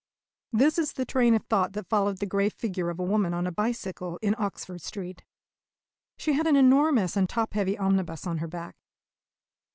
This is the train of thought that followed the grey figure of a woman on a bicycle in Oxford Street. She had an enormous and top heavy omnibus at her back.